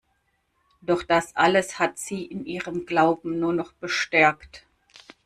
Doch das alles hat sie in ihrem Glauben nur noch bestärkt.